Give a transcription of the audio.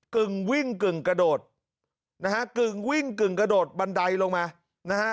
กึ่งวิ่งกึ่งกระโดดนะฮะกึ่งวิ่งกึ่งกระโดดบันไดลงมานะฮะ